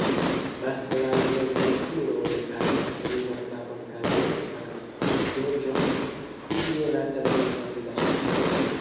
Masklaj plenkreskuloj havas grizan kapon kaj blankan gorĝon, tio lasta nomigas la specion.